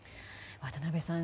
渡辺さん